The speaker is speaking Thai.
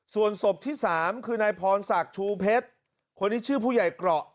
ส่วนศพที่๓คือนายพรศักดิ์ชูเพชรคนนี้ชื่อผู้ใหญ่เกราะ